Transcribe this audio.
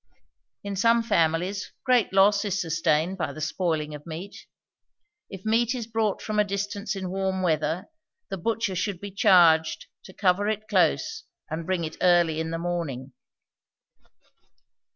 In some families great loss is sustained by the spoiling of meat. If meat is brought from a distance in warm weather, the butcher should be charged to cover it close, and bring it early in the morning.